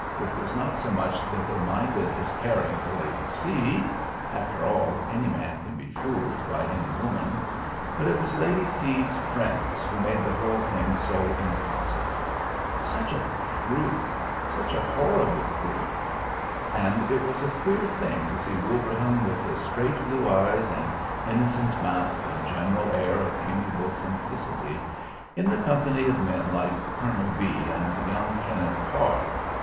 It was not so much that they minded his caring for Lady C (after all, any man can be fooled by any woman) but it was Lady C's friends who made the whole thing so impossible. Such a crew! Such a horrible crew! And it was a queer thing to see Wilbraham with his straight blue eyes and innocent mouth and general air of amiable simplicity in the company of men like Colonel B and young Kenneth Parr.